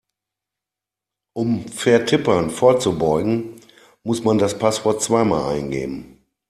Um Vertippern vorzubeugen, muss man das Passwort zweimal eingeben.